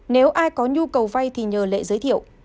nếu ai có nhu cầu vay thì nhờ lệ giới thiệu